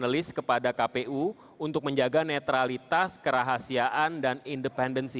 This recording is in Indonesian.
dan kemudian ada pertanyaan dari panelis kepada kpu untuk menjaga netralitas kerahasiaan dan independensi